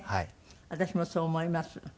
私もそう思います。